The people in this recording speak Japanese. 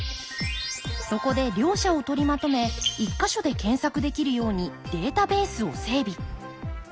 そこで両者を取りまとめ１か所で検索できるようにデータベースを整備。